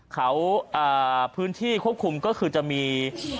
เขาพื้นที่ควบคุมก็คือจะมี